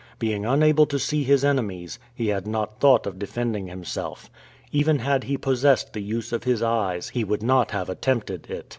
Being unable to see his enemies, he had not thought of defending himself. Even had he possessed the use of his eyes, he would not have attempted it.